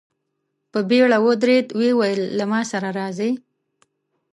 په بېړه ودرېد، ويې ويل: له ما سره راځئ!